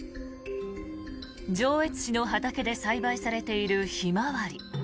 上越市の畑で栽培されているヒマワリ。